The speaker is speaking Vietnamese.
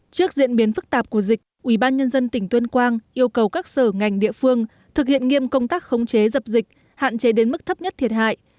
trước diễn biến phức tạp của dịch ubnd tỉnh tuyên quang yêu cầu các sở ngành địa phương thực hiện nghiêm công tác khống chế dập dịch hạn chế đến mức thấp nhất thiệt hại